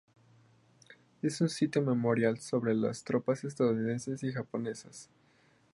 Es un sitio memorial para las tropas estadounidenses y japonesas.